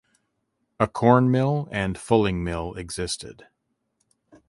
A corn mill and fulling mill existed.